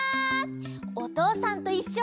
「おとうさんといっしょ」